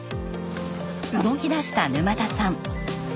動きだした沼田さん。